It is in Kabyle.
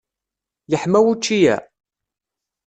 Yeḥma wučči-a?